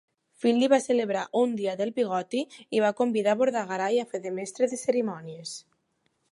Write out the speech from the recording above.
Finley va celebrar un "dia del bigoti", i va convidar a Bordagaray a fer de mestre de cerimònies.